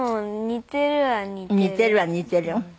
似てるは似てる？